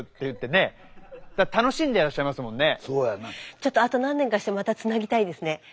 ちょっとあと何年かしてまたつなぎたいですね中継。